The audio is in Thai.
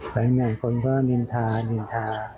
แปลงอย่างคนว่านินทานินทา